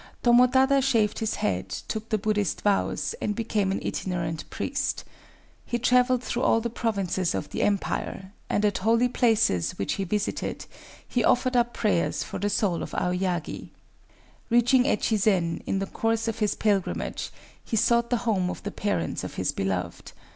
Tomotada shaved his head, took the Buddhist vows, and became an itinerant priest. He traveled through all the provinces of the empire; and, at holy places which he visited, he offered up prayers for the soul of Aoyagi. Reaching Echizen, in the course of his pilgrimage, he sought the home of the parents of his beloved.